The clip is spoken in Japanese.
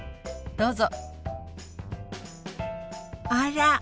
どうぞ。